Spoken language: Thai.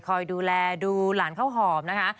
คอยดูแลดูหลานข้าวหอมนะคะ